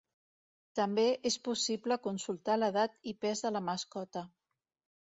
També és possible consultar l'edat i pes de la mascota.